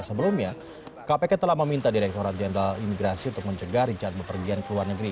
sebelumnya kpk telah meminta direkturat jenderal imigrasi untuk mencegah richard berpergian ke luar negeri